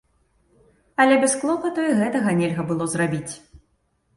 Але без клопату і гэтага нельга было зрабіць.